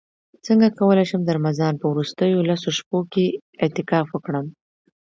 څنګه کولی شم د رمضان په وروستیو لسو شپو کې اعتکاف وکړم